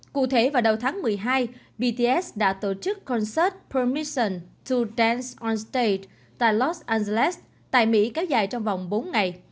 cụ thể vào đầu tháng một mươi hai bts đã tổ chức concert permission to dance on stage tại los angeles tại mỹ kéo dài trong vòng bốn ngày